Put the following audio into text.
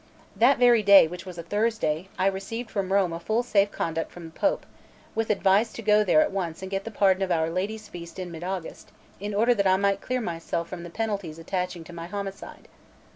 That very day, which was a Thursday, I received from Rome a full safe conduct from the Pope, with advice to go there at once and get the pardon of Our Lady's feast in mid August, in order that I might clear myself from the penalties attaching to my homicide.